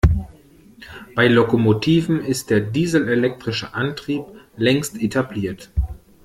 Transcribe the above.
Bei Lokomotiven ist der dieselelektrische Antrieb längst etabliert.